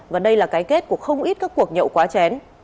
và đây là cái kết của không ít các cuộc nhậu quá chén